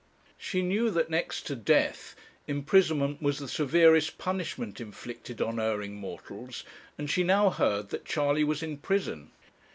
She knew that next to death imprisonment was the severest punishment inflicted on erring mortals, and she now heard that Charley was in prison.